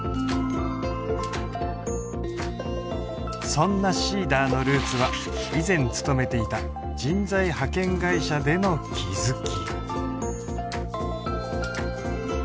そんなＳｅｅｄｅｒのルーツは以前勤めていた人材派遣会社での気づき